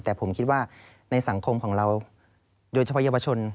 แต่ผมคิดว่าในสังคมของเราโดยเฉพาะเยาวชน